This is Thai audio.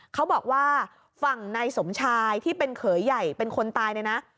เขาบอกว่าฝั่งนายสมชายที่เป็นเขยใหญ่เป็นคนตายเนี่ยนะ